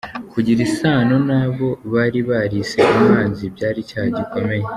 Kugira isano n’abo bari barise “Umwanzi” byari icyaha gikomeye.